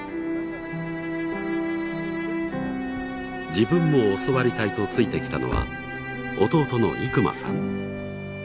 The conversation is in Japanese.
自分も教わりたいとついてきたのは弟の生真さん。